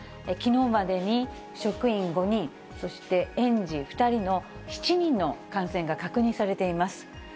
きのうまでに職員５人、そして園児２人の７人の感染が確認されています。